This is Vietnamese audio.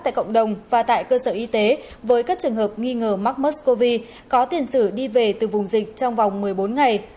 tại cộng đồng và tại cơ sở y tế với các trường hợp nghi ngờ mắc mers cov có tiền sử đi về từ vùng dịch trong vòng một mươi bốn ngày